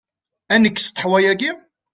Ad nekkes ṭeḥwa-agi?